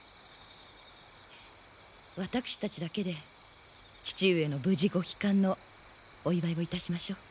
私たちだけで父上の無事ご帰還のお祝いをいたしましょう。